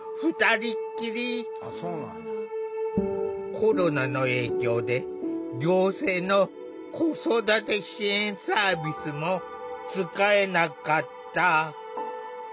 コロナの影響で行政の子育て支援サービスも使えなかった。